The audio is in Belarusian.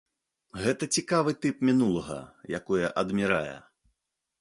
Гэта цікавы тып мінулага, якое адмірае.